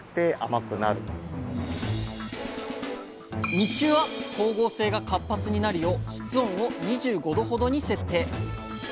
日中は光合成が活発になるよう室温を２５℃ほどに設定。